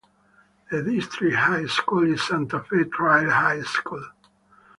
The district high school is Santa Fe Trail High School.